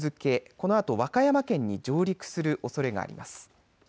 このあと、和歌山県に上陸するおそれがあります。